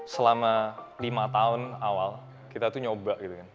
selama lima tahun awal kita tuh nyoba gitu kan